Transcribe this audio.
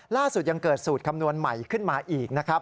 ล่าสุดยังเกิดสูตรคำนวณใหม่ขึ้นมาอีกนะครับ